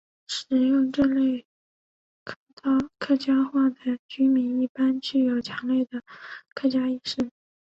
使用这类客家话的居民一般具有强烈的客家意识。